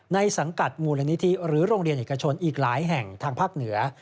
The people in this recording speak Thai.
สังกัดมูลนิธิหรือโรงเรียนเอกชนอีกหลายแห่งทางภาคเหนือ